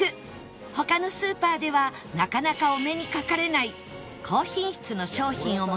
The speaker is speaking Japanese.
他のスーパーではなかなかお目にかかれない高品質の商品を求めて